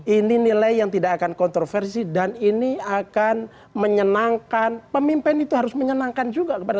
ini nilai yang tidak akan kontroversi dan ini akan menyenangkan pemimpin itu harus menyenangkan juga kepada